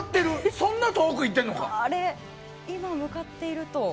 そんな遠く行っているのか。